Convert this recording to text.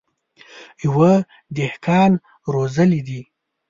يوه دهقان روزلي دي.